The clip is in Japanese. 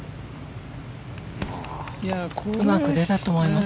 うまく出たと思います。